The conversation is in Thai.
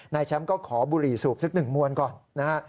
นายแชมป์ก็ขอบุหรี่สูบสัก๑มวลก่อน